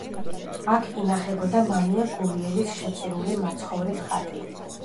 აქ ინახებოდა მამია გურიელის შეწირული მაცხოვრის ხატი.